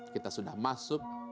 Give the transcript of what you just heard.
kita sudah masuk